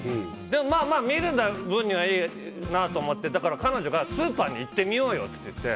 でも、見る分にはいいなと思ってだから、彼女がスーパーに行ってみようよって言って。